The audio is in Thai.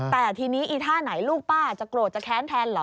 แต่ทีนี้อีท่าไหนลูกป้าจะโกรธจะแค้นแทนเหรอ